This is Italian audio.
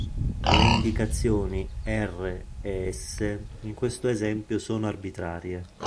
Le indicazioni R e S in questo esempio sono arbitrarie.